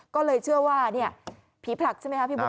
ก็เลยเชื่อว่าผีผลักใช่ไหมครับพี่บุ๊